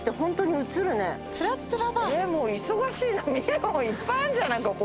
もう忙しいな見るとこいっぱいあんじゃないここ。